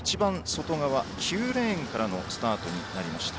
いちばん外側、９レーンからのスタートになりました。